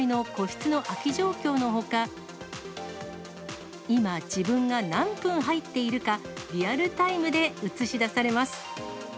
画面には、トイレ全体の個室の空き状況のほか、今、自分が何分入っているか、リアルタイムで映し出されます。